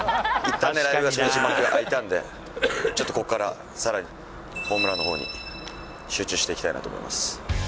ライブが初日、幕開いたんで、ちょっとここから、さらにホームランのほうに集中していきたいなと思います。